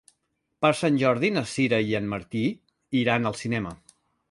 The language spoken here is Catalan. Per Sant Jordi na Sira i en Martí iran al cinema.